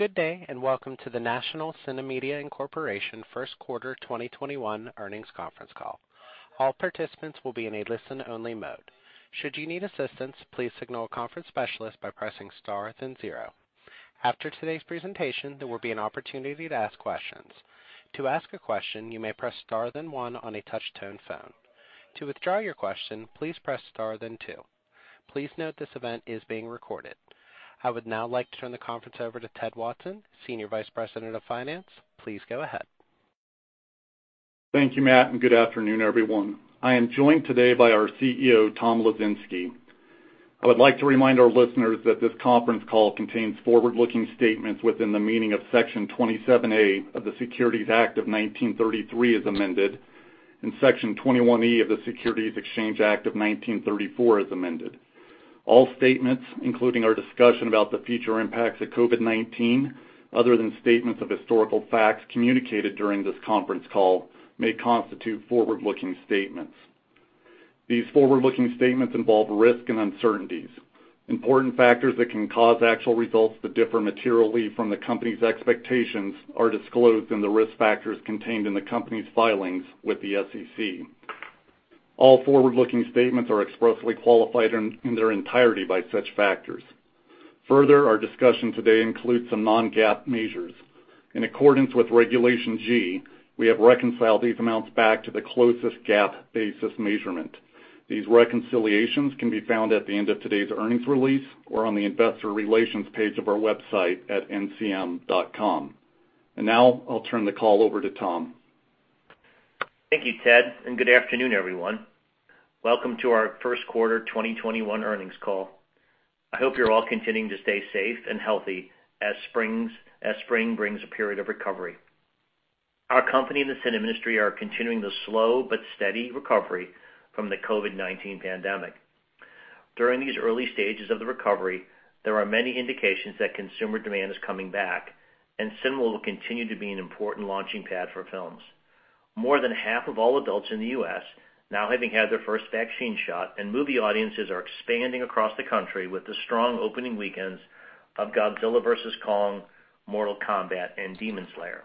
Good day. Welcome to the National CineMedia Incorporation first quarter 2021 earnings conference call. All participants will be in a listen-only mode. Should you need assistance, please signal a conference specialist by pressing star then zero. After today's presentation, there will be an opportunity to ask questions. To ask a question, you may press star then one on a touch-tone phone. To withdraw your question, please press star then two. Please note this event is being recorded. I would now like to turn the conference over to Ted Watson, Senior Vice President of Finance. Please go ahead. Thank you, Matt, and good afternoon, everyone. I am joined today by our CEO, Tom Lesinski. I would like to remind our listeners that this conference call contains forward-looking statements within the meaning of Section 27A of the Securities Act of 1933 as amended, and Section 21E of the Securities Exchange Act of 1934 as amended. All statements, including our discussion about the future impacts of COVID-19, other than statements of historical facts communicated during this conference call, may constitute forward-looking statements. These forward-looking statements involve risk and uncertainties. Important factors that can cause actual results to differ materially from the company's expectations are disclosed in the risk factors contained in the company's filings with the SEC. All forward-looking statements are expressly qualified in their entirety by such factors. Further, our discussion today includes some non-GAAP measures. In accordance with Regulation G, we have reconciled these amounts back to the closest GAAP basis measurement. These reconciliations can be found at the end of today's earnings release or on the investor relations page of our website at ncm.com. Now I'll turn the call over to Tom. Thank you, Ted. Good afternoon, everyone. Welcome to our first quarter 2021 earnings call. I hope you're all continuing to stay safe and healthy as spring brings a period of recovery. Our company and the cinema industry are continuing the slow but steady recovery from the COVID-19 pandemic. During these early stages of the recovery, there are many indications that consumer demand is coming back and cinema will continue to be an important launching pad for films. More than half of all adults in the U.S. now having had their first vaccine shot and movie audiences are expanding across the country with the strong opening weekends of Godzilla vs. Kong, Mortal Kombat and Demon Slayer.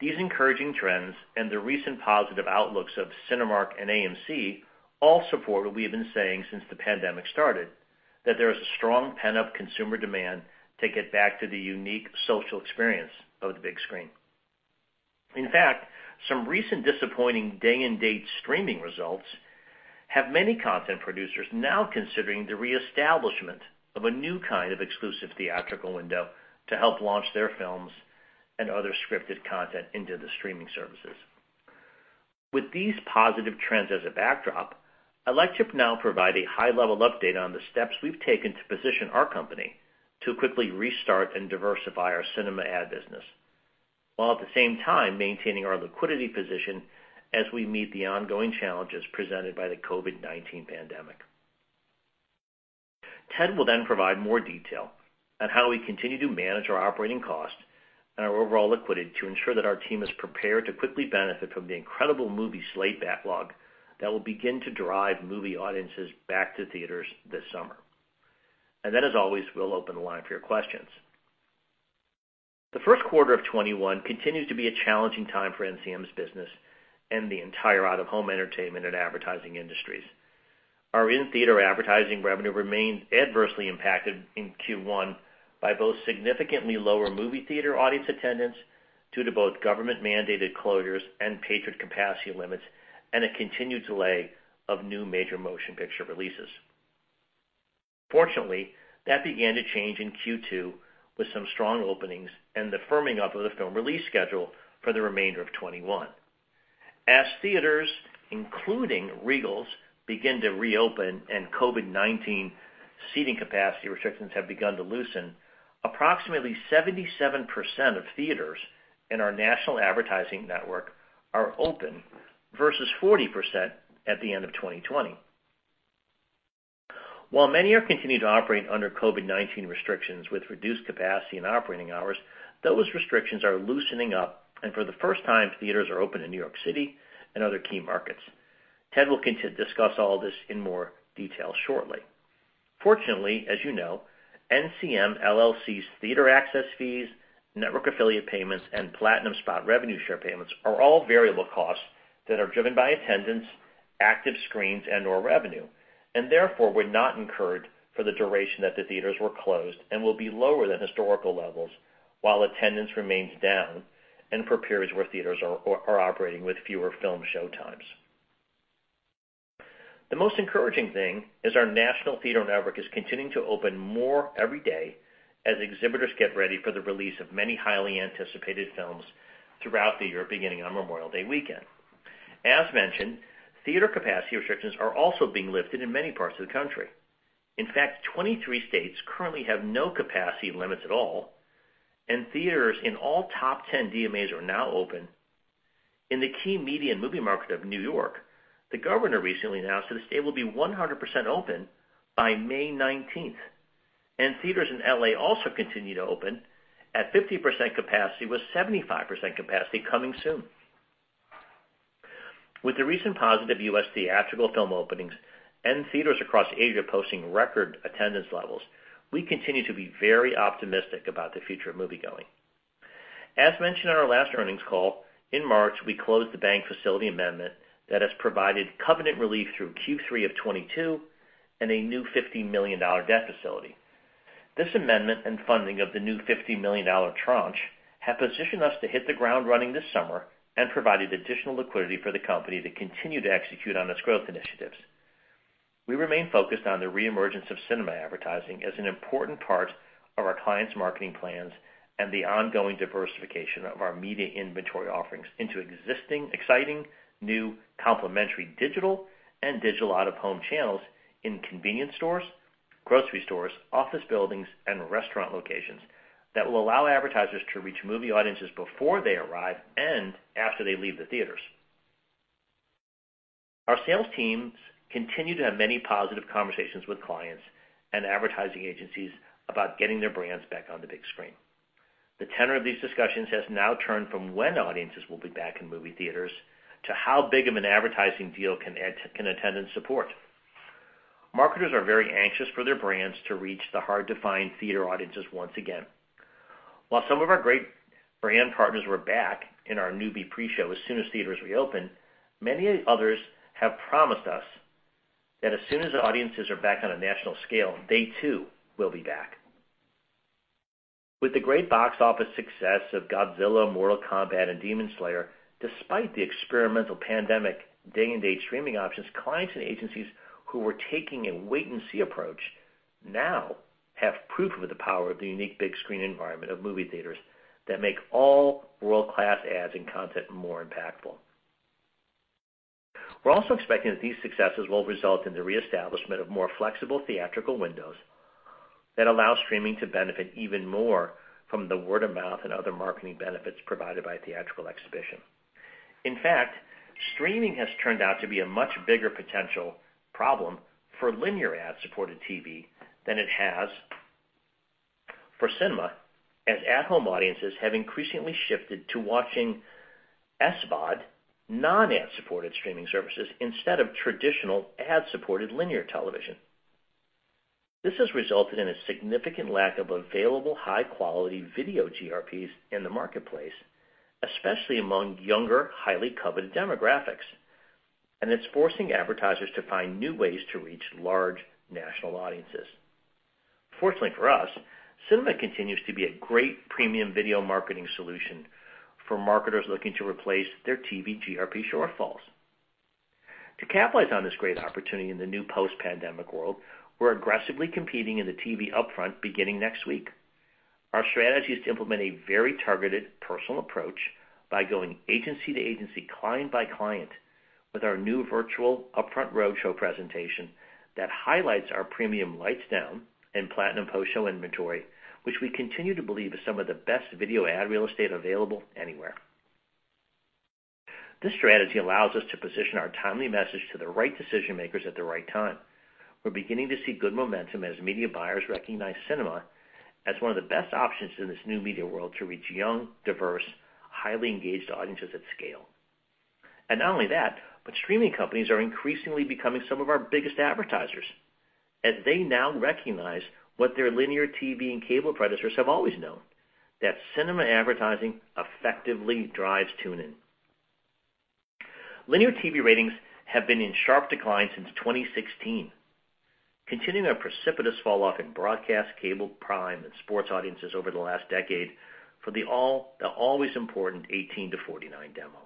These encouraging trends and the recent positive outlooks of Cinemark and AMC all support what we have been saying since the pandemic started, that there is a strong pent-up consumer demand to get back to the unique social experience of the big screen. In fact, some recent disappointing day and date streaming results have many content producers now considering the reestablishment of a new kind of exclusive theatrical window to help launch their films and other scripted content into the streaming services. With these positive trends as a backdrop, I'd like to now provide a high-level update on the steps we've taken to position our company to quickly restart and diversify our cinema ad business, while at the same time maintaining our liquidity position as we meet the ongoing challenges presented by the COVID-19 pandemic. Ted will then provide more detail on how we continue to manage our operating cost and our overall liquidity to ensure that our team is prepared to quickly benefit from the incredible movie slate backlog that will begin to drive movie audiences back to theaters this summer. Then, as always, we'll open the line for your questions. The first quarter of 2021 continues to be a challenging time for NCM's business and the entire out-of-home entertainment and advertising industries. Our in-theater advertising revenue remained adversely impacted in Q1 by both significantly lower movie theater audience attendance due to both government-mandated closures and patron capacity limits and a continued delay of new major motion picture releases. Fortunately, that began to change in Q2 with some strong openings and the firming up of the film release schedule for the remainder of 2021. As theaters, including Regals, begin to reopen and COVID-19 seating capacity restrictions have begun to loosen, approximately 77% of theaters in our national advertising network are open versus 40% at the end of 2020. While many are continuing to operate under COVID-19 restrictions with reduced capacity and operating hours, those restrictions are loosening up, and for the first time, theaters are open in New York City and other key markets. Ted will continue to discuss all this in more detail shortly. Fortunately, as you know, NCM LLC's theater access fees, network affiliate payments, and Platinum Spot revenue share payments are all variable costs that are driven by attendance, active screens, and/or revenue, and therefore were not incurred for the duration that the theaters were closed and will be lower than historical levels while attendance remains down and for periods where theaters are operating with fewer film showtimes. The most encouraging thing is our national theater network is continuing to open more every day as exhibitors get ready for the release of many highly anticipated films throughout the year, beginning on Memorial Day weekend. As mentioned, theater capacity restrictions are also being lifted in many parts of the country. In fact, 23 states currently have no capacity limits at all, and theaters in all top 10 DMAs are now open. In the key media and movie market of New York, the governor recently announced that the state will be 100% open by May 19th, and theaters in L.A. also continue to open at 50% capacity, with 75% capacity coming soon. With the recent positive U.S. theatrical film openings and theaters across Asia posting record attendance levels, we continue to be very optimistic about the future of moviegoing. As mentioned on our last earnings call, in March, we closed the bank facility amendment that has provided covenant relief through Q3 of 2022 and a new $50 million debt facility. This amendment and funding of the new $50 million tranche have positioned us to hit the ground running this summer and provided additional liquidity for the company to continue to execute on its growth initiatives. We remain focused on the re-emergence of cinema advertising as an important part of our clients' marketing plans and the ongoing diversification of our media inventory offerings into exciting new complementary digital and digital out-of-home channels in convenience stores, grocery stores, office buildings, and restaurant locations that will allow advertisers to reach movie audiences before they arrive and after they leave the theaters. Our sales teams continue to have many positive conversations with clients and advertising agencies about getting their brands back on the big screen. The tenor of these discussions has now turned from when audiences will be back in movie theaters to how big of an advertising deal can attendance support. Marketers are very anxious for their brands to reach the hard-to-find theater audiences once again. While some of our great brand partners were back in our new pre-show as soon as theaters reopened, many others have promised us that as soon as the audiences are back on a national scale, they too will be back. With the great box office success of Godzilla, Mortal Kombat, and Demon Slayer, despite the experimental pandemic day-and-date streaming options, clients and agencies who were taking a wait-and-see approach now have proof of the power of the unique big-screen environment of movie theaters that make all world-class ads and content more impactful. We're also expecting that these successes will result in the reestablishment of more flexible theatrical windows that allow streaming to benefit even more from the word of mouth and other marketing benefits provided by theatrical exhibition. In fact, streaming has turned out to be a much bigger potential problem for linear ad-supported TV than it has for cinema, as at-home audiences have increasingly shifted to watching SVOD, non-ad-supported streaming services, instead of traditional ad-supported linear television. This has resulted in a significant lack of available high-quality video GRPs in the marketplace, especially among younger, highly coveted demographics, and it's forcing advertisers to find new ways to reach large national audiences. Fortunately for us, cinema continues to be a great premium video marketing solution for marketers looking to replace their TV GRP shortfalls. To capitalize on this great opportunity in the new post-pandemic world, we're aggressively competing in the TV upfront beginning next week. Our strategy is to implement a very targeted personal approach by going agency to agency, client by client, with our new virtual upfront roadshow presentation that highlights our premium lights down and Platinum post-show inventory, which we continue to believe is some of the best video ad real estate available anywhere. This strategy allows us to position our timely message to the right decision-makers at the right time. We're beginning to see good momentum as media buyers recognize cinema as one of the best options in this new media world to reach young, diverse, highly engaged audiences at scale. Not only that, but streaming companies are increasingly becoming some of our biggest advertisers, as they now recognize what their linear TV and cable predecessors have always known, that cinema advertising effectively drives tune-in. Linear TV ratings have been in sharp decline since 2016, continuing a precipitous falloff in broadcast cable prime and sports audiences over the last decade for the always important 18 to 49 demo,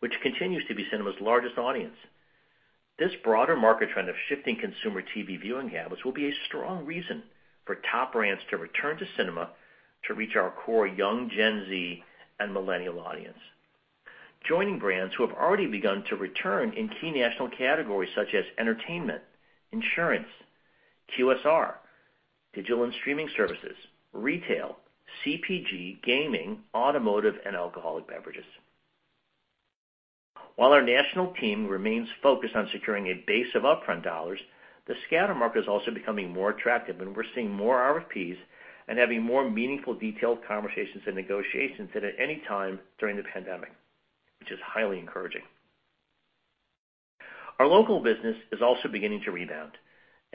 which continues to be cinema's largest audience. This broader market trend of shifting consumer TV viewing habits will be a strong reason for top brands to return to cinema to reach our core young Gen Z and millennial audience. Joining brands who have already begun to return in key national categories such as entertainment, insurance, QSR, digital and streaming services, retail, CPG, gaming, automotive, and alcoholic beverages. While our national team remains focused on securing a base of upfront dollars, the scatter market is also becoming more attractive, and we're seeing more RFPs and having more meaningful detailed conversations and negotiations than at any time during the pandemic, which is highly encouraging. Our local business is also beginning to rebound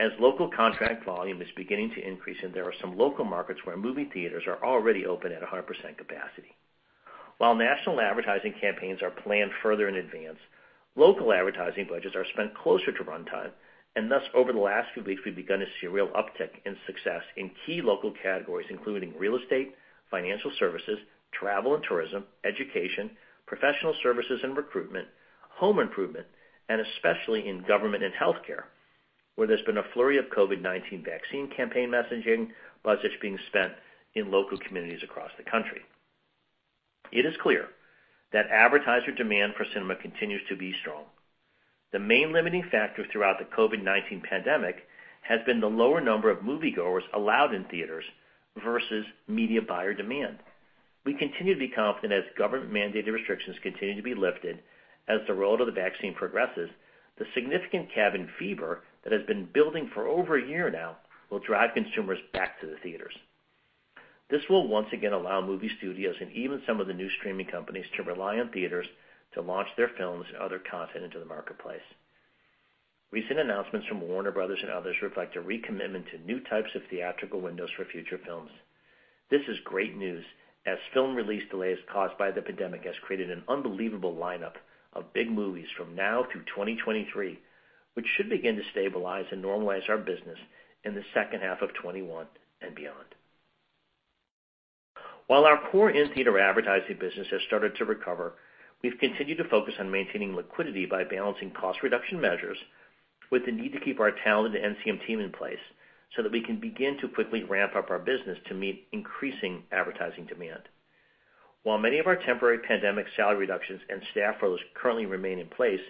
as local contract volume is beginning to increase, and there are some local markets where movie theaters are already open at 100% capacity. While national advertising campaigns are planned further in advance, local advertising budgets are spent closer to runtime, and thus, over the last few weeks, we've begun to see a real uptick in success in key local categories, including real estate, financial services, travel and tourism, education, professional services and recruitment, home improvement, and especially in government and healthcare, where there's been a flurry of COVID-19 vaccine campaign messaging budgets being spent in local communities across the country. It is clear that advertiser demand for cinema continues to be strong. The main limiting factor throughout the COVID-19 pandemic has been the lower number of moviegoers allowed in theaters versus media buyer demand. We continue to be confident as government-mandated restrictions continue to be lifted as the roll-out of the vaccine progresses, the significant cabin fever that has been building for over a year now will drive consumers back to the theaters. This will once again allow movie studios and even some of the new streaming companies to rely on theaters to launch their films and other content into the marketplace. Recent announcements from Warner Bros. and others reflect a recommitment to new types of theatrical windows for future films. This is great news, as film release delays caused by the pandemic has created an unbelievable lineup of big movies from now through 2023, which should begin to stabilize and normalize our business in the second half of 2021 and beyond. While our core in-theater advertising business has started to recover, we've continued to focus on maintaining liquidity by balancing cost reduction measures with the need to keep our talented NCM team in place so that we can begin to quickly ramp up our business to meet increasing advertising demand. While many of our temporary pandemic salary reductions and staff roles currently remain in place,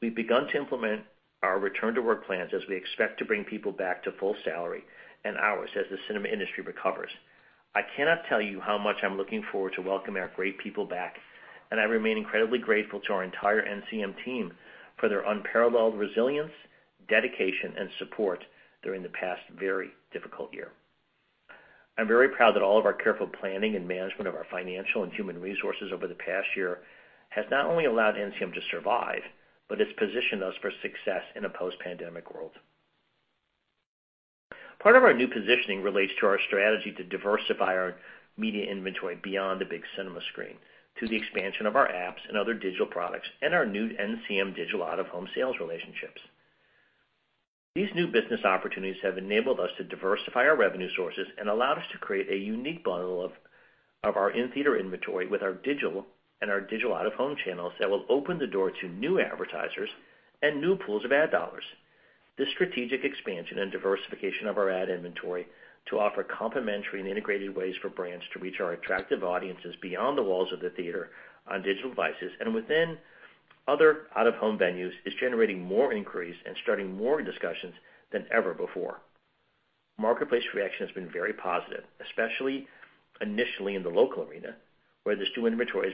we've begun to implement our return-to-work plans as we expect to bring people back to full salary and hours as the cinema industry recovers. I cannot tell you how much I'm looking forward to welcoming our great people back, and I remain incredibly grateful to our entire NCM team for their unparalleled resilience, dedication, and support during the past very difficult year. I'm very proud that all of our careful planning and management of our financial and human resources over the past year has not only allowed NCM to survive, but has positioned us for success in a post-pandemic world. Part of our new positioning relates to our strategy to diversify our media inventory beyond the big cinema screen to the expansion of our apps and other digital products and our new NCM digital out-of-home sales relationships. These new business opportunities have enabled us to diversify our revenue sources and allowed us to create a unique bundle of our in-theater inventory with our digital and our digital out-of-home channels that will open the door to new advertisers and new pools of ad dollars. This strategic expansion and diversification of our ad inventory to offer complementary and integrated ways for brands to reach our attractive audiences beyond the walls of the theater, on digital devices, and within other out-of-home venues, is generating more inquiries and starting more discussions than ever before. Marketplace reaction has been very positive, especially initially in the local arena, where this new inventory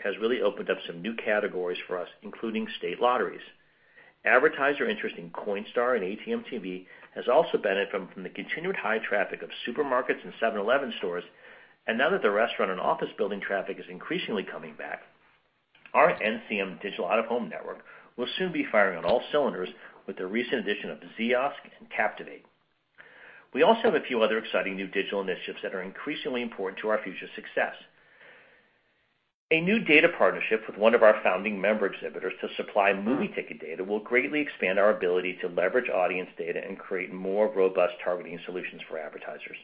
has really opened up some new categories for us, including state lotteries. Advertiser interest in Coinstar and ATM.TV has also benefited from the continued high traffic of supermarkets and 7-Eleven stores, and now that the restaurant and office building traffic is increasingly coming back, our NCM digital out-of-home network will soon be firing on all cylinders with the recent addition of Ziosk and Captivate. We also have a few other exciting new digital initiatives that are increasingly important to our future success. A new data partnership with one of our founding member exhibitors to supply movie ticket data will greatly expand our ability to leverage audience data and create more robust targeting solutions for advertisers.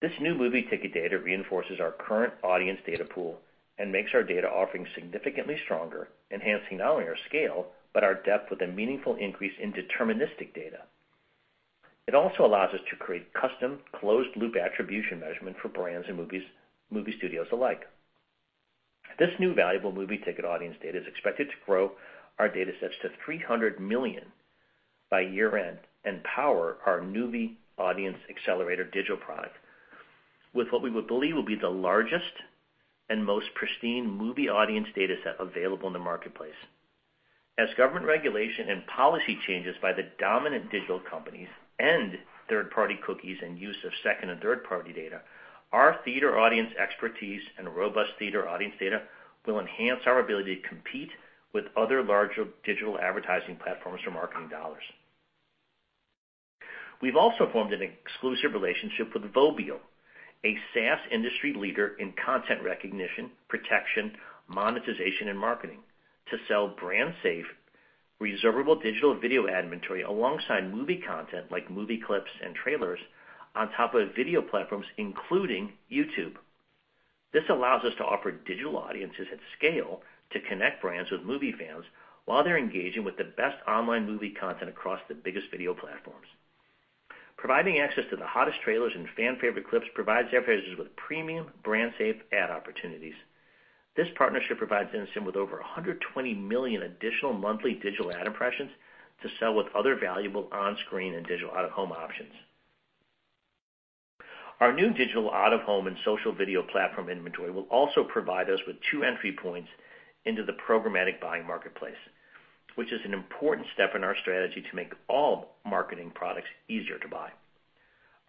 This new movie ticket data reinforces our current audience data pool and makes our data offering significantly stronger, enhancing not only our scale, but our depth with a meaningful increase in deterministic data. It also allows us to create custom, closed-loop attribution measurement for brands and movie studios alike. This new valuable movie ticket audience data is expected to grow our datasets to 300 million by year-end and power our movie audience accelerator digital product with what we believe will be the largest and most pristine movie audience dataset available in the marketplace. As government regulation and policy changes by the dominant digital companies and third-party cookies and use of second and third-party data, our theater audience expertise and robust theater audience data will enhance our ability to compete with other larger digital advertising platforms for marketing dollars. We've also formed an exclusive relationship with Vobile, a SaaS industry leader in content recognition, protection, monetization, and marketing, to sell brand safe, reservable digital video inventory alongside movie content like movie clips and trailers on top of video platforms, including YouTube. This allows us to offer digital audiences at scale to connect brands with movie fans while they're engaging with the best online movie content across the biggest video platforms. Providing access to the hottest trailers and fan-favorite clips provides advertisers with premium brand safe ad opportunities. This partnership provides NCM with over $120 million additional monthly digital ad impressions to sell with other valuable on-screen and digital out-of-home options. Our new digital out-of-home and social video platform inventory will also provide us with two entry points into the programmatic buying marketplace, which is an important step in our strategy to make all marketing products easier to buy.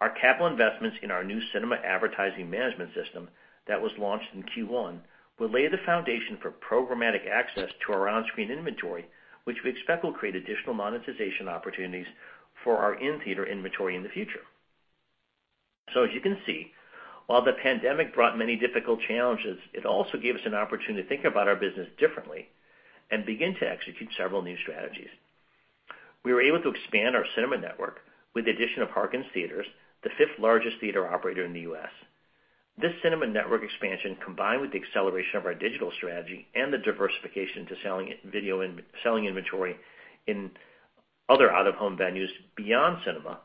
Our capital investments in our new cinema advertising management system that was launched in Q1 will lay the foundation for programmatic access to our on-screen inventory, which we expect will create additional monetization opportunities for our in-theater inventory in the future. As you can see, while the pandemic brought many difficult challenges, it also gave us an opportunity to think about our business differently and begin to execute several new strategies. We were able to expand our cinema network with the addition of Harkins Theatres, the fifth-largest theater operator in the U.S. This cinema network expansion, combined with the acceleration of our digital strategy and the diversification to selling inventory in other out-of-home venues beyond cinema,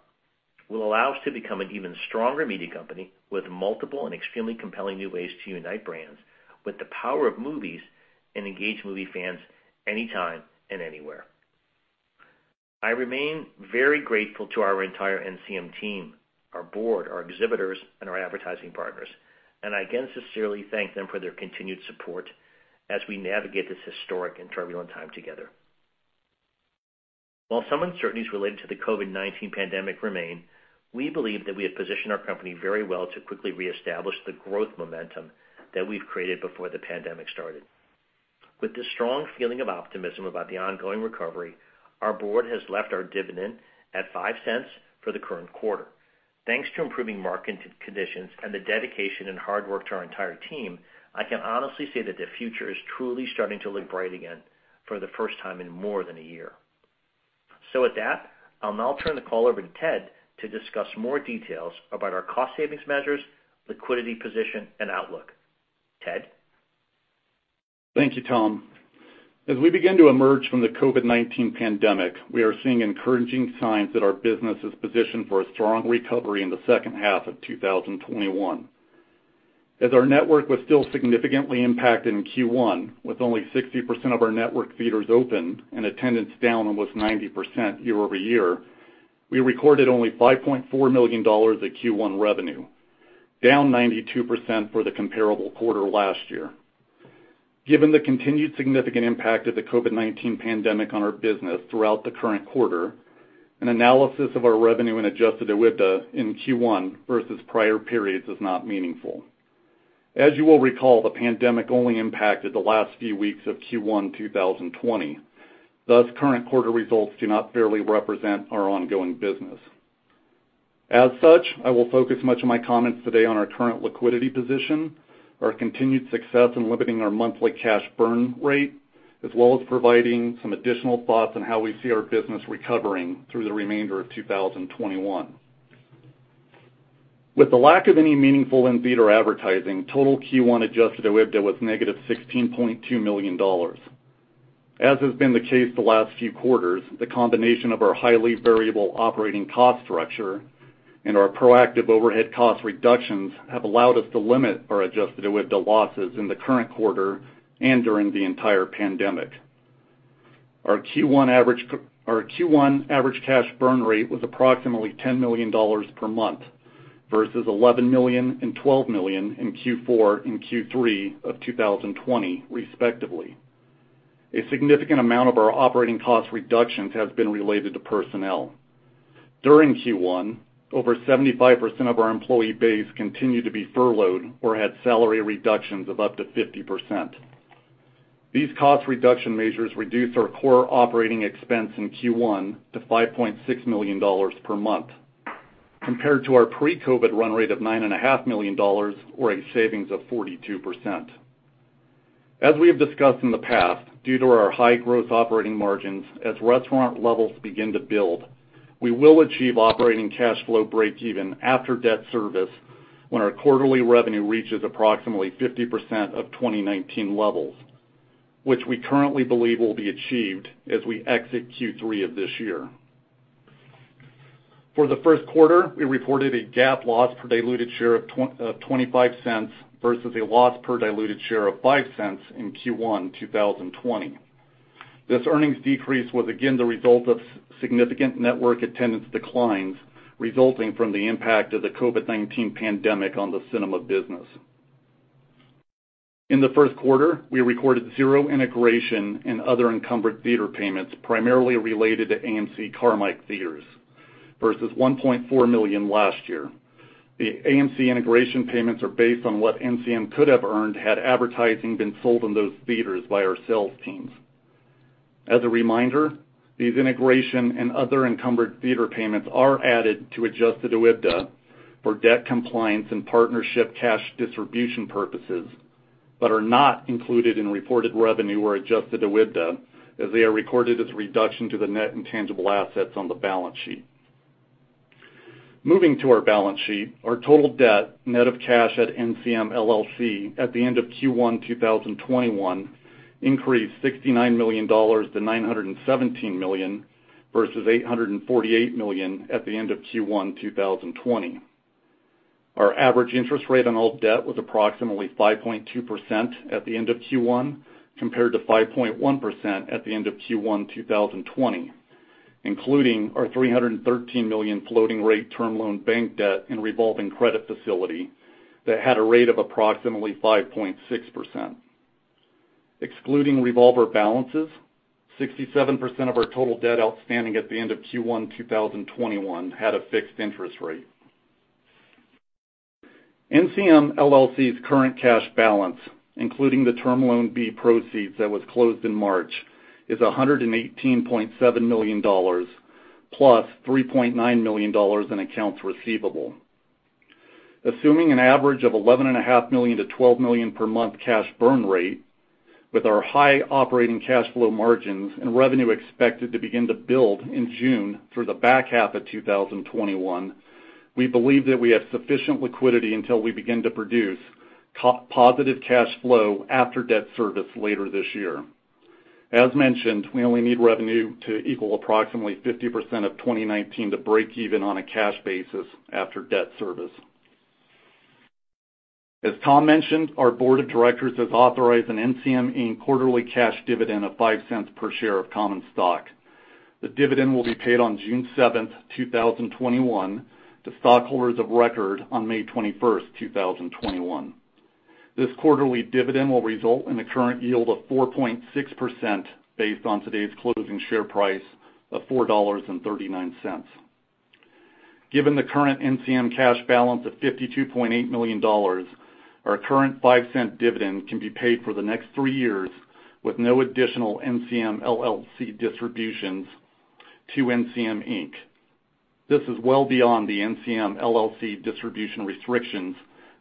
will allow us to become an even stronger media company with multiple and extremely compelling new ways to unite brands with the power of movies and engage movie fans anytime and anywhere. I remain very grateful to our entire NCM team, our board, our exhibitors, and our advertising partners, and I again sincerely thank them for their continued support as we navigate this historic and turbulent time together. While some uncertainties related to the COVID-19 pandemic remain, we believe that we have positioned our company very well to quickly reestablish the growth momentum that we've created before the pandemic started. With the strong feeling of optimism about the ongoing recovery, our board has left our dividend at $0.05 for the current quarter. Thanks to improving market conditions and the dedication and hard work to our entire team, I can honestly say that the future is truly starting to look bright again for the first time in more than one year. With that, I'll now turn the call over to Ted to discuss more details about our cost savings measures, liquidity position, and outlook. Ted? Thank you, Tom. As we begin to emerge from the COVID-19 pandemic, we are seeing encouraging signs that our business is positioned for a strong recovery in the second half of 2021. As our network was still significantly impacted in Q1, with only 60% of our network theaters open and attendance down almost 90% year-over-year, we recorded only $5.4 million at Q1 revenue, down 92% for the comparable quarter last year. Given the continued significant impact of the COVID-19 pandemic on our business throughout the current quarter, an analysis of our revenue and adjusted OIBDA in Q1 versus prior periods is not meaningful. As you will recall, the pandemic only impacted the last few weeks of Q1 2020, thus current quarter results do not fairly represent our ongoing business. As such, I will focus much of my comments today on our current liquidity position, our continued success in limiting our monthly cash burn rate, as well as providing some additional thoughts on how we see our business recovering through the remainder of 2021. With the lack of any meaningful in-theater advertising, total Q1 adjusted OIBDA was -$16.2 million. As has been the case the last few quarters, the combination of our highly variable operating cost structure and our proactive overhead cost reductions have allowed us to limit our adjusted OIBDA losses in the current quarter, and during the entire pandemic. Our Q1 average cash burn rate was approximately $10 million per month versus $11 million and $12 million in Q4 and Q3 of 2020 respectively. A significant amount of our operating cost reductions has been related to personnel. During Q1, over 75% of our employee base continued to be furloughed or had salary reductions of up to 50%. These cost reduction measures reduced our core operating expense in Q1 to $5.6 million per month compared to our pre-COVID-19 run rate of $9.5 million, or a savings of 42%. As we have discussed in the past, due to our high growth operating margins, as revenue levels begin to build, we will achieve operating cash flow breakeven after debt service when our quarterly revenue reaches approximately 50% of 2019 levels, which we currently believe will be achieved as we exit Q3 of this year. For the first quarter, we reported a GAAP loss per diluted share of $0.25 versus a loss per diluted share of $0.05 in Q1 2020. This earnings decrease was again the result of significant network attendance declines resulting from the impact of the COVID-19 pandemic on the cinema business. In the first quarter, we recorded zero integration and other encumbered theater payments, primarily related to AMC Carmike theaters versus $1.4 million last year. The AMC integration payments are based on what NCM could have earned had advertising been sold in those theaters by our sales teams. As a reminder, these integration and other encumbered theater payments are added to adjusted OIBDA for debt compliance and partnership cash distribution purposes, but are not included in reported revenue or adjusted OIBDA, as they are recorded as a reduction to the net intangible assets on the balance sheet. Moving to our balance sheet, our total debt net of cash at NCM LLC at the end of Q1 2021 increased $69 million to $917 million versus $848 million at the end of Q1 2020. Our average interest rate on all debt was approximately 5.2% at the end of Q1 compared to 5.1% at the end of Q1 2020, including our $313 million floating rate Term Loan B debt and revolving credit facility that had a rate of approximately 5.6%. Excluding revolver balances, 67% of our total debt outstanding at the end of Q1 2021 had a fixed interest rate. NCM LLC's current cash balance, including the Term Loan B proceeds that was closed in March, is $118.7 million, plus $3.9 million in accounts receivable. Assuming an average of $11.5 million-$12 million per month cash burn rate, with our high operating cash flow margins and revenue expected to begin to build in June through the back half of 2021, we believe that we have sufficient liquidity until we begin to produce positive cash flow after debt service later this year. As mentioned, we only need revenue to equal approximately 50% of 2019 to break even on a cash basis after debt service. As Tom mentioned, our board of directors has authorized an NCM Inc. quarterly cash dividend of $0.05 per share of common stock. The dividend will be paid on June 7th, 2021 to stockholders of record on May 21st, 2021. This quarterly dividend will result in a current yield of 4.6% based on today's closing share price of $4.39. Given the current NCM cash balance of $52.8 million, our current $0.05 dividend can be paid for the next three years with no additional NCM LLC distributions to NCM Inc. This is well beyond the NCM LLC distribution restrictions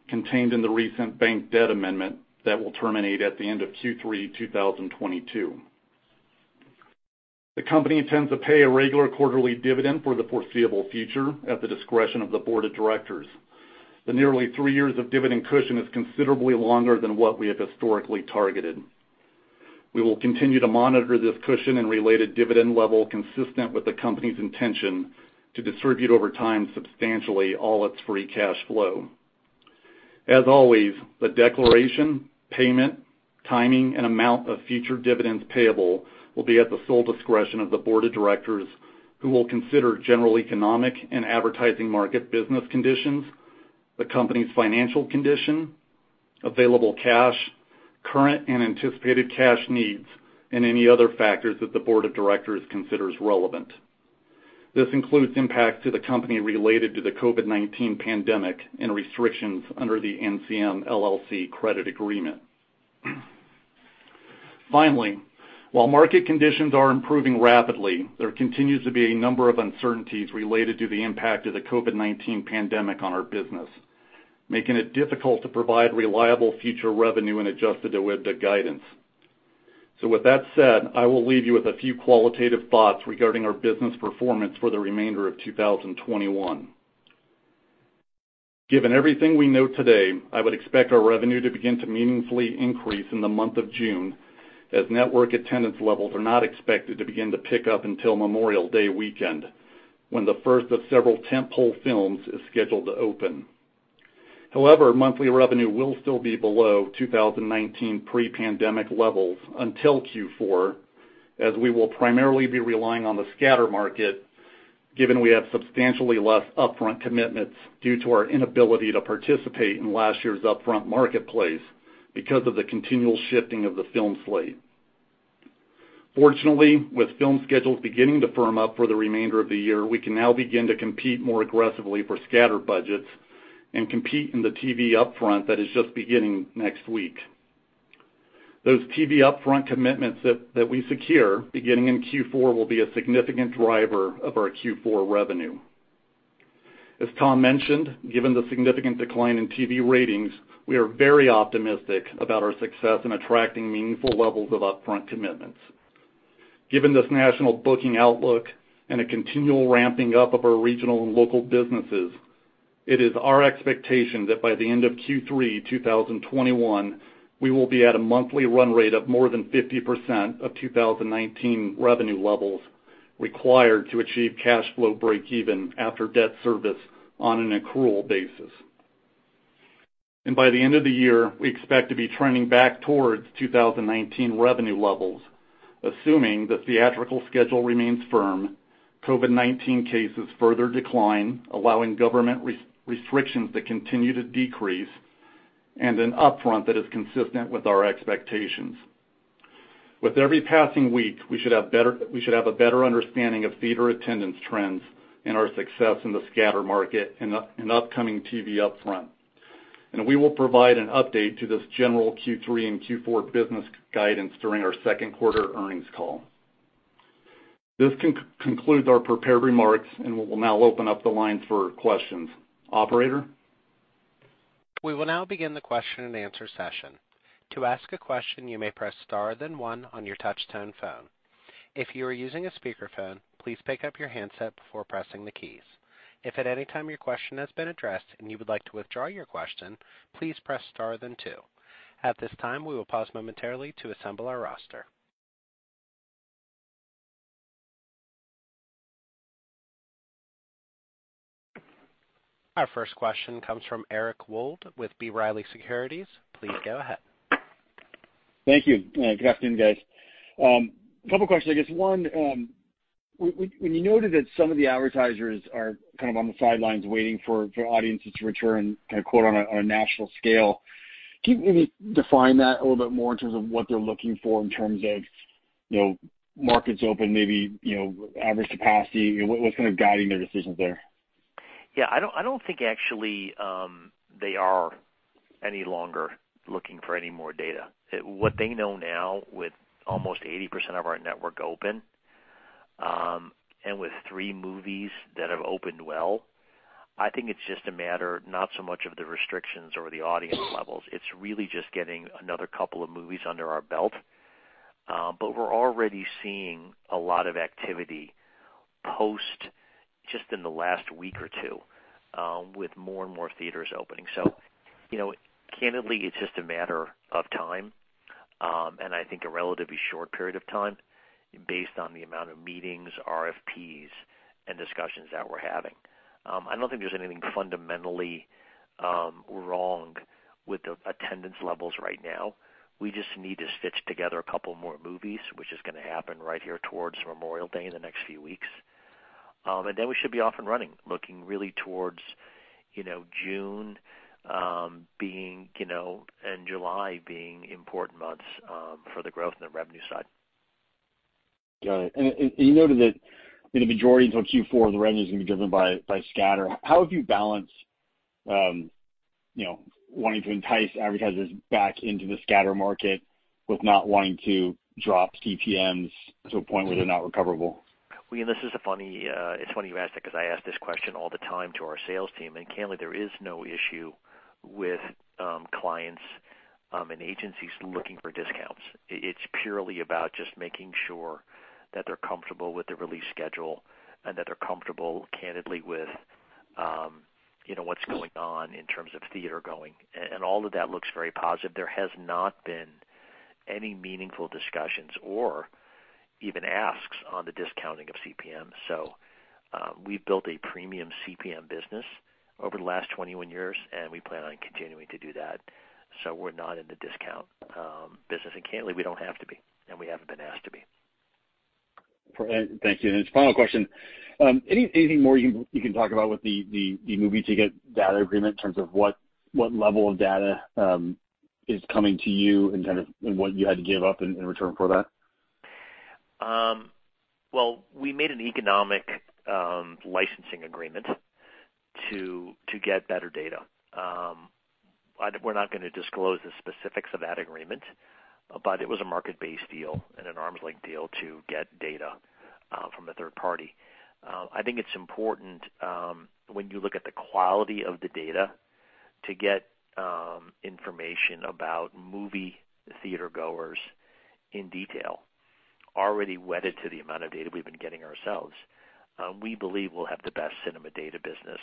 contained in the recent bank debt amendment that will terminate at the end of Q3 2022. The company intends to pay a regular quarterly dividend for the foreseeable future at the discretion of the board of directors. The nearly three years of dividend cushion is considerably longer than what we have historically targeted. We will continue to monitor this cushion and related dividend level consistent with the company's intention to distribute over time substantially all its free cash flow. As always, the declaration, payment, timing, and amount of future dividends payable will be at the sole discretion of the board of directors, who will consider general economic and advertising market business conditions, the company's financial condition, available cash, current and anticipated cash needs, and any other factors that the board of directors considers relevant. This includes impact to the company related to the COVID-19 pandemic and restrictions under the NCM LLC credit agreement. Finally, while market conditions are improving rapidly, there continues to be a number of uncertainties related to the impact of the COVID-19 pandemic on our business, making it difficult to provide reliable future revenue and adjusted OIBDA guidance. With that said, I will leave you with a few qualitative thoughts regarding our business performance for the remainder of 2021. Given everything we know today, I would expect our revenue to begin to meaningfully increase in the month of June, as network attendance levels are not expected to begin to pick up until Memorial Day weekend, when the first of several tent-pole films is scheduled to open. However, monthly revenue will still be below 2019 pre-pandemic levels until Q4, as we will primarily be relying on the scatter market given we have substantially less upfront commitments due to our inability to participate in last year's upfront marketplace because of the continual shifting of the film slate. Fortunately, with film schedules beginning to firm up for the remainder of the year, we can now begin to compete more aggressively for scatter budgets and compete in the TV upfront that is just beginning next week. Those TV upfront commitments that we secure beginning in Q4 will be a significant driver of our Q4 revenue. As Tom mentioned, given the significant decline in TV ratings, we are very optimistic about our success in attracting meaningful levels of upfront commitments. Given this national booking outlook and a continual ramping up of our regional and local businesses, it is our expectation that by the end of Q3 2021, we will be at a monthly run rate of more than 50% of 2019 revenue levels required to achieve cash flow breakeven after debt service on an accrual basis. By the end of the year, we expect to be trending back towards 2019 revenue levels, assuming the theatrical schedule remains firm, COVID-19 cases further decline, allowing government restrictions to continue to decrease, and an upfront that is consistent with our expectations. With every passing week, we should have a better understanding of theater attendance trends and our success in the scatter market and upcoming TV upfront. We will provide an update to this general Q3 and Q4 business guidance during our second quarter earnings call. This concludes our prepared remarks, and we will now open up the lines for questions. Operator? We will now begin the question and answer session. To ask a question questions you may press star then one on your touch tone phone. If you're using a speakerphone, please pick up your handset before pressing the keys. If at any time your question has been addressed and you would like to withdraw your question, please press star then two. At this time we will pause momentarily to assemble our roster. Our first question comes from Eric Wold with B. Riley Securities. Please go ahead. Thank you. Good afternoon, guys. Couple questions. I guess one, when you noted that some of the advertisers are kind of on the sidelines waiting for audiences to return, kind of quote, "on a national scale," can you maybe define that a little bit more in terms of what they're looking for in terms of markets open, maybe average capacity? What's kind of guiding their decisions there? Yeah, I don't think actually they are any longer looking for any more data. What they know now with almost 80% of our network open, and with three movies that have opened well, I think it's just a matter not so much of the restrictions or the audience levels. It's really just getting another couple of movies under our belt. We're already seeing a lot of activity post just in the last week or two with more and more theaters opening. Candidly, it's just a matter of time, and I think a relatively short period of time based on the amount of meetings, RFPs, and discussions that we're having. I don't think there's anything fundamentally wrong with the attendance levels right now. We just need to stitch together a couple more movies, which is going to happen right here towards Memorial Day in the next few weeks. We should be off and running, looking really towards June and July being important months for the growth in the revenue side. Got it. You noted that the majority until Q4 of the revenues are going to be driven by scatter. How have you balanced wanting to entice advertisers back into the scatter market with not wanting to drop CPMs to a point where they're not recoverable? It's funny you asked that because I ask this question all the time to our sales team, and candidly, there is no issue with clients and agencies looking for discounts. It's purely about just making sure that they're comfortable with the release schedule and that they're comfortable, candidly, with what's going on in terms of theater-going. All of that looks very positive. There has not been any meaningful discussions or even asks on the discounting of CPM. We've built a premium CPM business over the last 21 years, and we plan on continuing to do that. We're not in the discount business, and candidly, we don't have to be, and we haven't been asked to be. Thank you. Just final question? Anything more you can talk about with the Movie Ticket data agreement in terms of what level of data is coming to you and what you had to give up in return for that? Well, we made an economic licensing agreement to get better data. We're not going to disclose the specifics of that agreement, but it was a market-based deal and an arm's length deal to get data from a third party. I think it's important when you look at the quality of the data to get information about movie theater-goers in detail, already wedded to the amount of data we've been getting ourselves. We believe we'll have the best cinema data business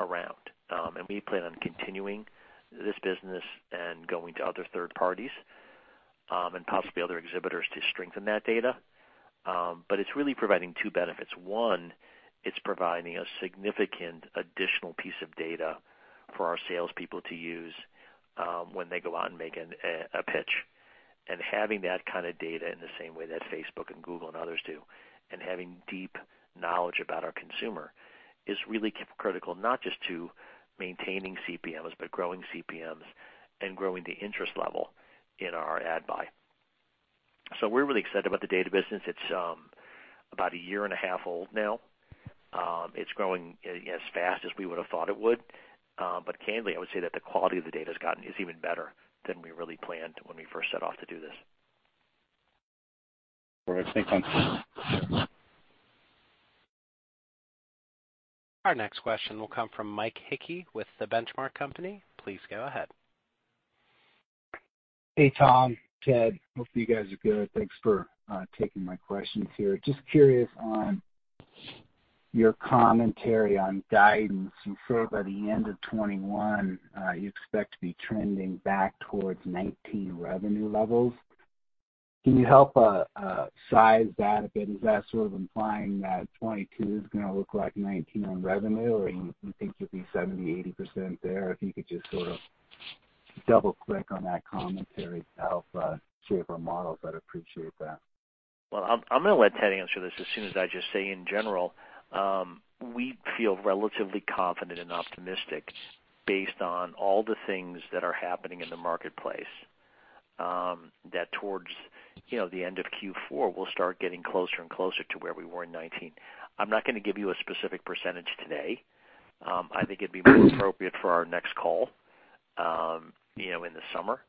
around. We plan on continuing this business and going to other third parties, and possibly other exhibitors to strengthen that data. It's really providing two benefits. One, it's providing a significant additional piece of data for our salespeople to use when they go out and make a pitch. Having that kind of data in the same way that Facebook and Google and others do, and having deep knowledge about our consumer is really critical, not just to maintaining CPMs, but growing CPMs and growing the interest level in our ad buy. We're really excited about the data business. It's about a year and a half old now. It's growing as fast as we would've thought it would. Candidly, I would say that the quality of the data has gotten us even better than we really planned when we first set off to do this. All right. Thanks. Our next question will come from Mike Hickey with The Benchmark Company. Please go ahead. Hey, Tom, Ted. Hope you guys are good. Thanks for taking my questions here. Just curious on your commentary on guidance. You said by the end of 2021, you expect to be trending back towards 2019 revenue levels. Can you help size that a bit? Is that sort of implying that 2022 is going to look like 2019 on revenue? Or you think you'll be 70%, 80% there? If you could just sort of double-click on that commentary to help shape our model, I'd appreciate that. Well, I'm going to let Ted answer this, as soon as I just say in general, we feel relatively confident and optimistic based on all the things that are happening in the marketplace, that towards the end of Q4, we'll start getting closer and closer to where we were in 2019. I'm not going to give you a specific percentage today. I think it'd be more appropriate for our next call in the summer.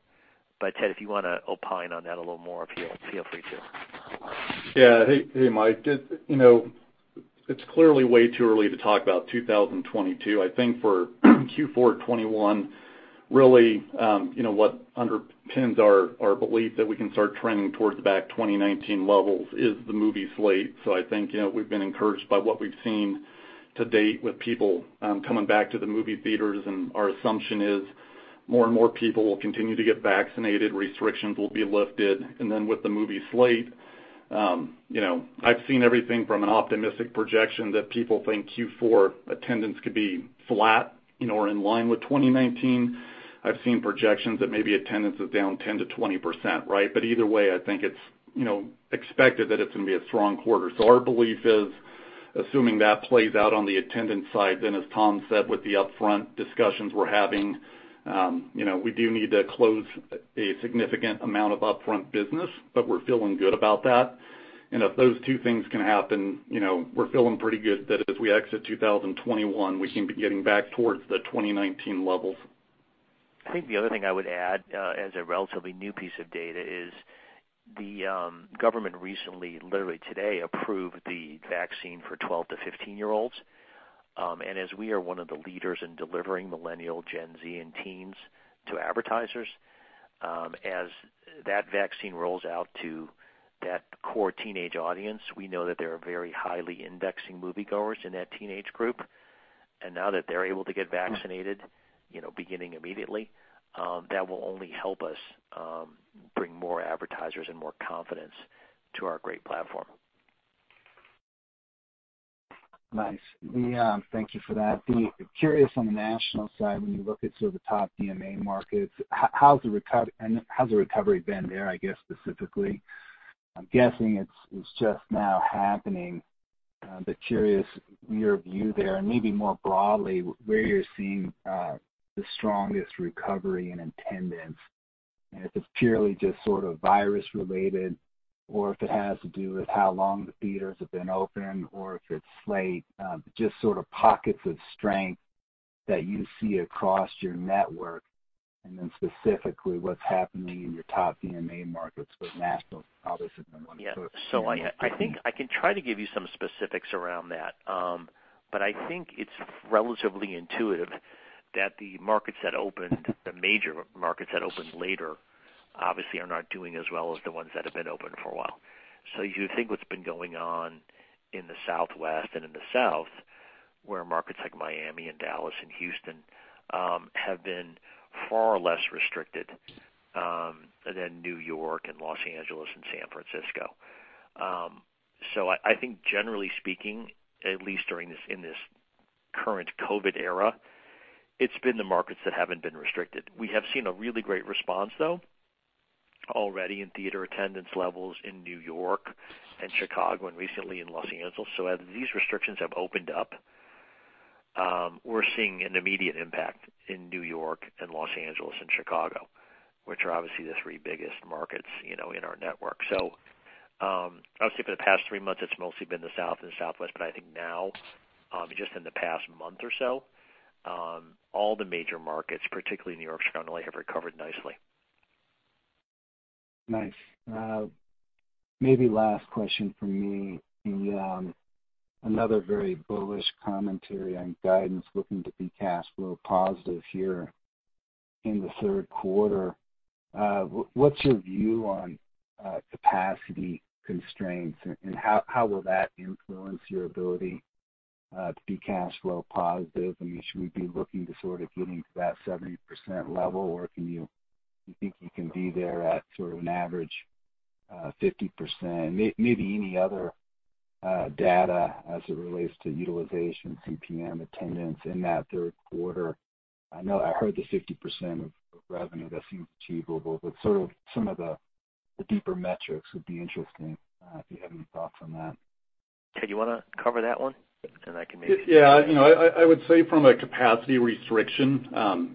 Ted, if you want to opine on that a little more, feel free to. Yeah. Hey, Mike. It's clearly way too early to talk about 2022. I think for Q4 2021, really what underpins our belief that we can start trending towards back 2019 levels is the movie slate. I think we've been encouraged by what we've seen to date with people coming back to the movie theaters, and our assumption is more and more people will continue to get vaccinated, restrictions will be lifted. With the movie slate, I've seen everything from an optimistic projection that people think Q4 attendance could be flat or in line with 2019. I've seen projections that maybe attendance is down 10%-20%, right? Either way, I think it's expected that it's going to be a strong quarter. Our belief is assuming that plays out on the attendance side, then as Tom said, with the upfront discussions we're having, we do need to close a significant amount of upfront business, but we're feeling good about that. If those two things can happen, we're feeling pretty good that as we exit 2021, we can be getting back towards the 2019 levels. I think the other thing I would add as a relatively new piece of data is the government recently, literally today, approved the vaccine for 12 to 15-year-olds. As we are one of the leaders in delivering Millennial, Gen Z, and teens to advertisers, as that vaccine rolls out to that core teenage audience, we know that there are very highly indexing moviegoers in that teenage group. Now that they're able to get vaccinated, beginning immediately, that will only help us bring more advertisers and more confidence to our great platform. Nice. Thank you for that. Curious on the National side, when you look at sort of the top DMA markets, how's the recovery been there, I guess, specifically? I'm guessing it's just now happening. Curious your view there, and maybe more broadly, where you're seeing the strongest recovery in attendance, and if it's purely just sort of virus related or if it has to do with how long the theaters have been open or if it's slate. Just sort of pockets of strength that you see across your network, and then specifically what's happening in your top DMA markets with National, obviously being one. I think I can try to give you some specifics around that. I think it's relatively intuitive that the markets that opened, the major markets that opened later, obviously are not doing as well as the ones that have been open for a while. You think what's been going on in the Southwest and in the South, where markets like Miami and Dallas and Houston, have been far less restricted than New York and Los Angeles and San Francisco. I think generally speaking, at least in this current COVID era, it's been the markets that haven't been restricted. We have seen a really great response though already in theater attendance levels in New York and Chicago and recently in Los Angeles. As these restrictions have opened up, we're seeing an immediate impact in N.Y. and L.A. and Chicago, which are obviously the three biggest markets in our network. I would say for the past three months it's mostly been the South and Southwest, but I think now, just in the past month or so, all the major markets, particularly N.Y., Chicago, have recovered nicely. Nice. Maybe last question from me. Another very bullish commentary on guidance looking to be cash flow positive here in the third quarter. What's your view on capacity constraints and how will that influence your ability to be cash flow positive? I mean, should we be looking to sort of getting to that 70% level, or do you think you can be there at sort of an average 50%? Maybe any other data as it relates to utilization, CPM attendance in that third quarter. I know I heard the 50% of revenue that seems achievable, but sort of some of the deeper metrics would be interesting, if you have any thoughts on that. Ted, you want to cover that one? I would say from a capacity restriction,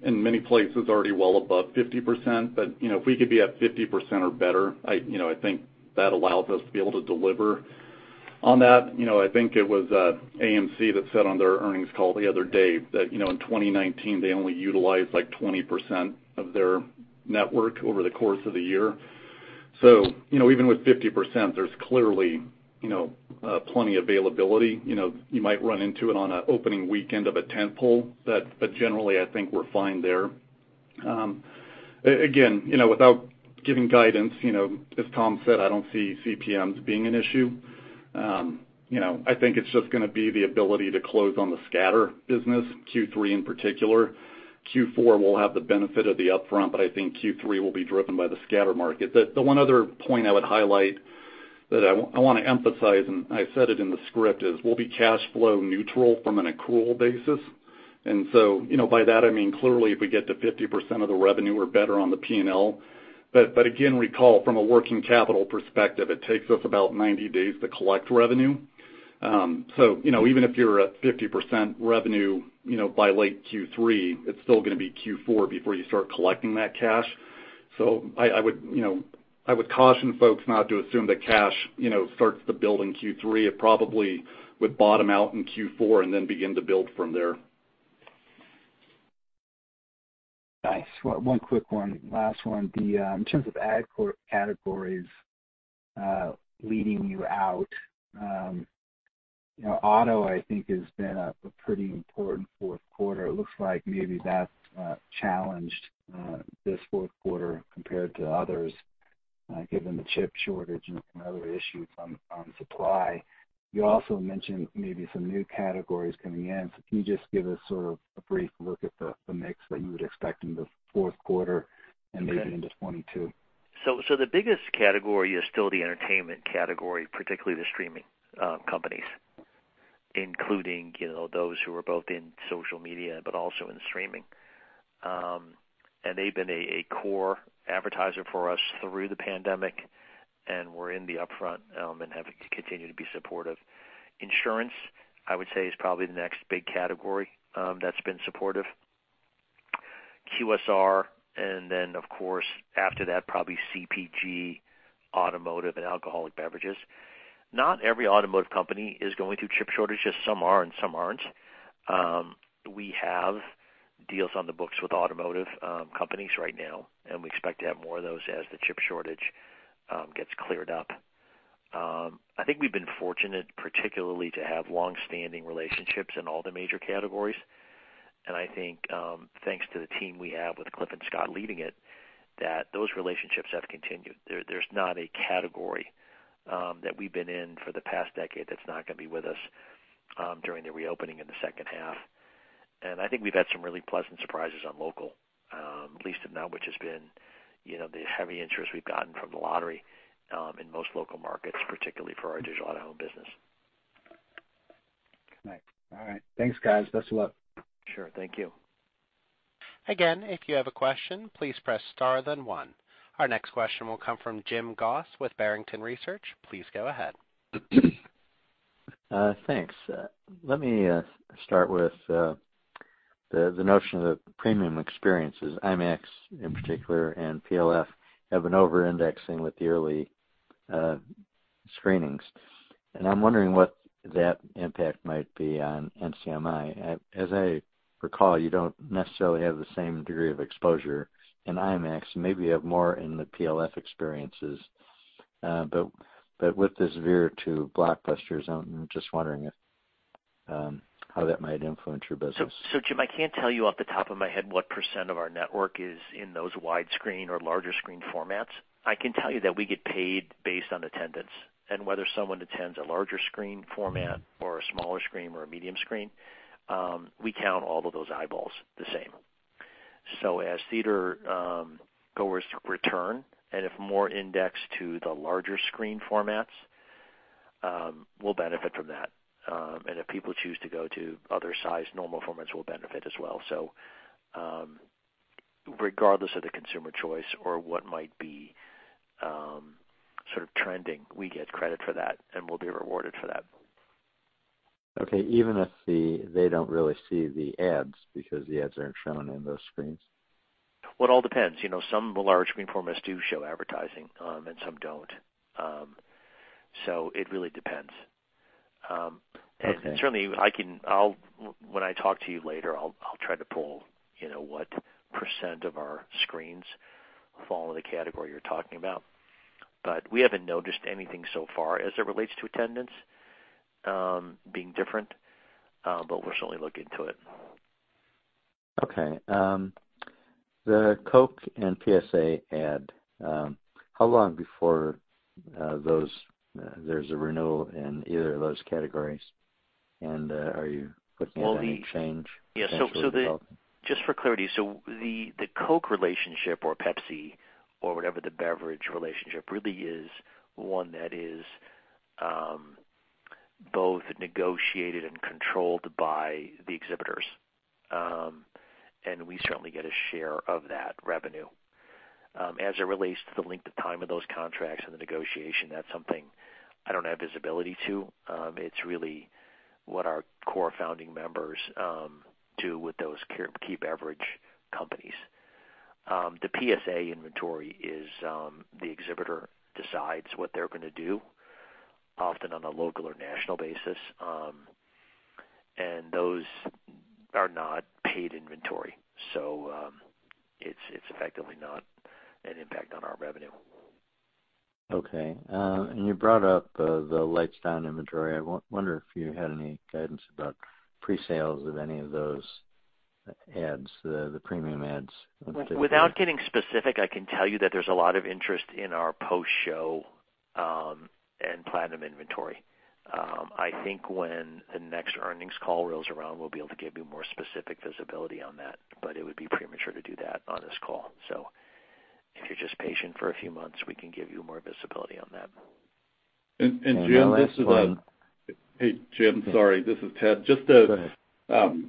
in many places already well above 50%, but if we could be at 50% or better, I think that allows us to be able to deliver on that. I think it was AMC that said on their earnings call the other day that in 2019 they only utilized like 20% of their network over the course of the year. Even with 50%, there's clearly plenty availability. You might run into it on an opening weekend of a tent pole, generally I think we're fine there. Again, without giving guidance, as Tom said, I don't see CPMs being an issue. I think it's just going to be the ability to close on the scatter business, Q3 in particular. Q4 will have the benefit of the upfront, I think Q3 will be driven by the scatter market. The one other point I would highlight that I want to emphasize, and I said it in the script, is we'll be cash flow neutral from an accrual basis. By that I mean, clearly, if we get to 50% of the revenue, we're better on the P&L. Again, recall, from a working capital perspective, it takes us about 90 days to collect revenue. Even if you're at 50% revenue by late Q3, it's still going to be Q4 before you start collecting that cash. I would caution folks not to assume that cash starts to build in Q3. It probably would bottom out in Q4 and then begin to build from there. Nice. One quick one, last one. In terms of ad core categories, leading you out, auto I think has been a pretty important fourth quarter. It looks like maybe that challenged this fourth quarter compared to others, given the chip shortage and some other issues on supply. You also mentioned maybe some new categories coming in. Can you just give us sort of a brief look at the mix that you would expect in the fourth quarter and maybe into 2022? The biggest category is still the entertainment category, particularly the streaming companies, including those who are both in social media but also in streaming. And they've been a core advertiser for us through the pandemic and were in the upfront and have continued to be supportive. Insurance, I would say is probably the next big category that's been supportive. QSR and then of course after that probably CPG, automotive and alcoholic beverages. Not every automotive company is going through chip shortage, just some are and some aren't. We have deals on the books with automotive companies right now, and we expect to have more of those as the chip shortage gets cleared up. I think we've been fortunate, particularly to have longstanding relationships in all the major categories, and I think thanks to the team we have with Cliff and Scott leading it, that those relationships have continued. There's not a category that we've been in for the past decade that's not going to be with us during the reopening in the second half. I think we've had some really pleasant surprises on local, least of now, which has been the heavy interest we've gotten from the lottery in most local markets, particularly for our digital out-of-home business. Nice. All right. Thanks, guys. Best of luck. Sure. Thank you. Again, if you have a question, please press star then one. Our next question will come from Jim Goss with Barrington Research. Please go ahead. Thanks. Let me start with the notion of premium experiences. IMAX in particular and PLF have been over-indexing with the early screenings, and I'm wondering what that impact might be on NCMI. As I recall, you don't necessarily have the same degree of exposure in IMAX, maybe you have more in the PLF experiences. With this veer to blockbusters, I'm just wondering how that might influence your business. Jim, I can't tell you off the top of my head what percent of our network is in those widescreen or larger screen formats. I can tell you that we get paid based on attendance and whether someone attends a larger screen format or a smaller screen or a medium screen, we count all of those eyeballs the same. As theater goers return, and if more index to the larger screen formats, we'll benefit from that. If people choose to go to other size, normal formats, we'll benefit as well. Regardless of the consumer choice or what might be sort of trending, we get credit for that and we'll be rewarded for that. Okay. Even if they don't really see the ads because the ads aren't shown on those screens? Well, it all depends. Some of the large screen formats do show advertising, and some don't. It really depends. Okay. Certainly when I talk to you later, I'll try to pull what percent of our screens fall in the category you're talking about. We haven't noticed anything so far as it relates to attendance being different. We'll certainly look into it. Okay. The Coke and PSA ad, how long before there's a renewal in either of those categories? Are you looking at any change potentially to help? Just for clarity, the Coke relationship or Pepsi or whatever the beverage relationship really is, one that is both negotiated and controlled by the exhibitors. We certainly get a share of that revenue. As it relates to the length of time of those contracts and the negotiation, that's something I don't have visibility to. It's really what our core founding members do with those key beverage companies. The PSA inventory is the exhibitor decides what they're going to do, often on a local or national basis. Those are not paid inventory. It's effectively not an impact on our revenue. Okay. You brought up the lights down inventory. I wonder if you had any guidance about pre-sales of any of those ads, the premium ads. Without getting specific, I can tell you that there's a lot of interest in our post-show and Platinum inventory. I think when the next earnings call rolls around, we'll be able to give you more specific visibility on that, but it would be premature to do that on this call. If you're just patient for a few months, we can give you more visibility on that. And my last one. Jim, this is Ted. Hey, Jim, sorry, this is Ted. Go ahead. Just to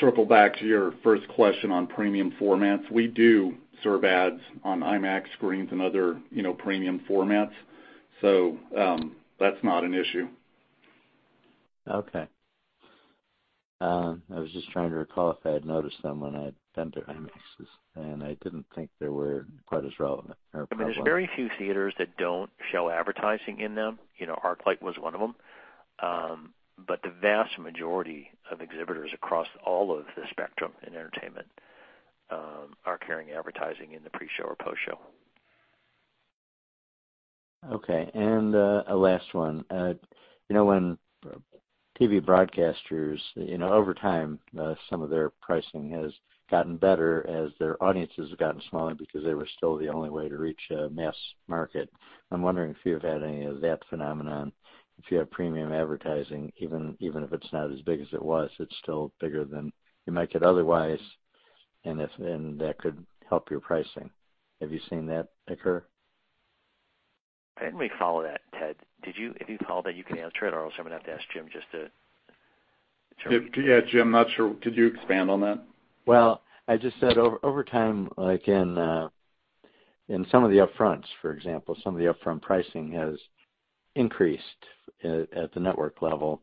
circle back to your first question on premium formats, we do serve ads on IMAX screens and other premium formats. That's not an issue. Okay. I was just trying to recall if I had noticed them when I'd been to IMAXes, and I didn't think they were quite as relevant or a problem. There's very few theaters that don't show advertising in them. ArcLight was one of them. The vast majority of exhibitors across all of the spectrum in entertainment are carrying advertising in the pre-show or post-show. Okay, a last one. When TV broadcasters, over time, some of their pricing has gotten better as their audiences have gotten smaller because they were still the only way to reach a mass market. I'm wondering if you've had any of that phenomenon. If you have premium advertising, even if it's not as big as it was, it's still bigger than you might get otherwise. That could help your pricing. Have you seen that occur? I didn't really follow that, Ted. If you follow that, you can answer it, or else I'm going to have to ask Jim just to determine. Yeah, Jim, I'm not sure. Could you expand on that? Well, I just said over time, like in some of the upfronts, for example, some of the upfront pricing has increased at the network level,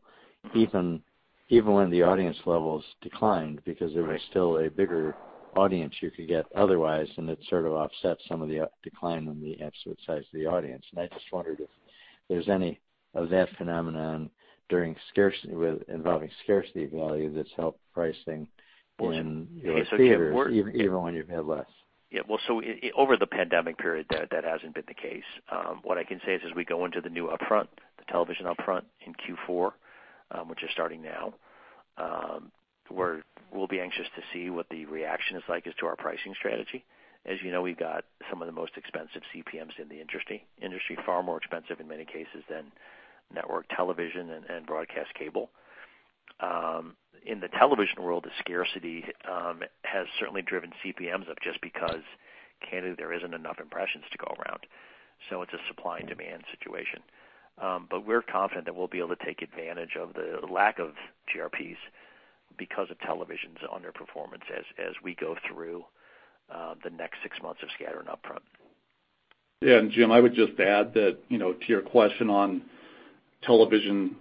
even when the audience levels declined because there was still a bigger audience you could get otherwise, and it sort of offsets some of the decline in the absolute size of the audience. I just wondered if there's any of that phenomenon involving scarcity value that's helped pricing in theaters even when you've had less. Yeah. Well, over the pandemic period, that hasn't been the case. What I can say is we go into the new upfront, the television upfront in Q4, which is starting now. We'll be anxious to see what the reaction is like as to our pricing strategy. As you know, we've got some of the most expensive CPMs in the industry, far more expensive in many cases than network television and broadcast cable. In the television world, the scarcity has certainly driven CPMs up just because candidly, there isn't enough impressions to go around. It's a supply and demand situation. We're confident that we'll be able to take advantage of the lack of GRPs because of television's underperformance as we go through the next six months of scatter and upfront. Yeah. Jim, I would just add that, to your question on television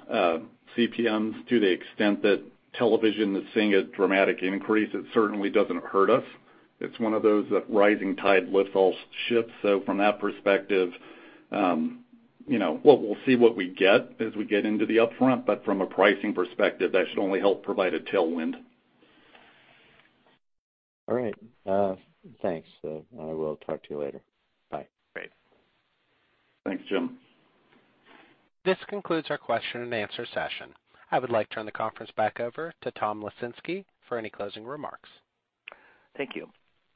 CPMs, to the extent that television is seeing a dramatic increase, it certainly doesn't hurt us. It's one of those that rising tide lifts all ships. From that perspective, we'll see what we get as we get into the upfront, but from a pricing perspective, that should only help provide a tailwind. All right. Thanks. I will talk to you later. Bye. Great. Thanks, Jim. This concludes our question and answer session. I would like to turn the conference back over to Tom Lesinski for any closing remarks. Thank you.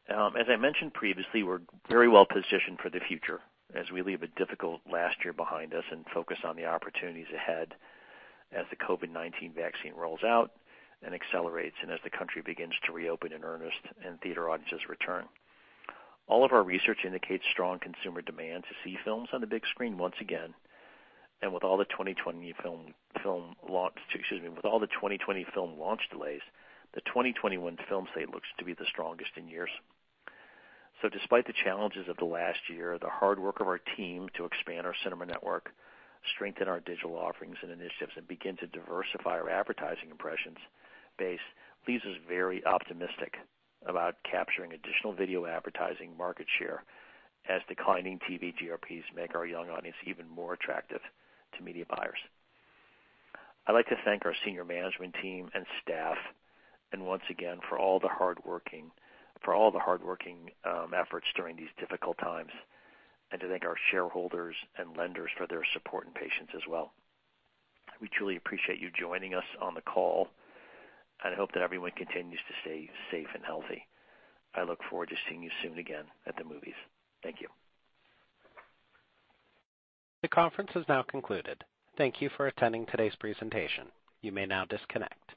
As I mentioned previously, we're very well-positioned for the future as we leave a difficult last year behind us and focus on the opportunities ahead as the COVID-19 vaccine rolls out and accelerates, and as the country begins to reopen in earnest and theater audiences return. All of our research indicates strong consumer demand to see films on the big screen once again. With all the 2020 film launch delays, the 2021 film slate looks to be the strongest in years. Despite the challenges of the last year, the hard work of our team to expand our cinema network, strengthen our digital offerings and initiatives, and begin to diversify our advertising impressions base leaves us very optimistic about capturing additional video advertising market share as declining TV GRPs make our young audience even more attractive to media buyers. I'd like to thank our senior management team and staff, and once again, for all the hardworking efforts during these difficult times, and to thank our shareholders and lenders for their support and patience as well. We truly appreciate you joining us on the call, and hope that everyone continues to stay safe and healthy. I look forward to seeing you soon again at the movies. Thank you. The conference has now concluded. Thank you for attending today's presentation. You may now disconnect.